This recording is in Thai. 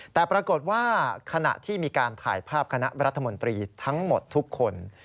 แต่ปรากฏว่าขณะที่มีการถ่ายภาพคณะรัฐมนตรีทั้งหมดทุกคน